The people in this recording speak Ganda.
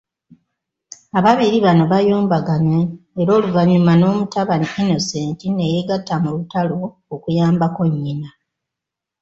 Ababiri bano baayombaganye era oluvannyuma n'omutabani, Innocent, ne yeegatta mu lutalo okuyambako nnyina.